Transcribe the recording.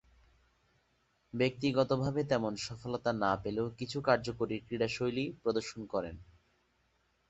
ব্যক্তিগতভাবে তেমন সফলতা না পেলেও কিছু কার্যকরী ক্রীড়াশৈলী প্রদর্শন করেন।